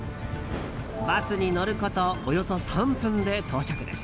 バスに乗ることおよそ３分で到着です。